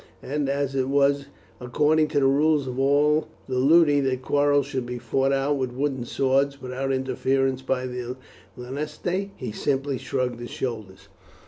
and, as it was according to the rules of all the ludi that quarrels should be fought out with wooden swords without interference by the lanistae, he simply shrugged his shoulders.